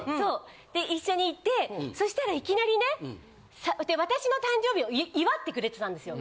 で一緒に行ってそしたらいきなりね私の誕生日を祝ってくれてたんですよ。